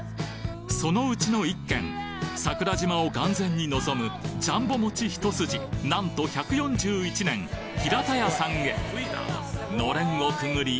そのうちの１軒桜島を眼前に望むジャンボ餅一筋なんと１４１年平田屋さんへ暖簾をくぐり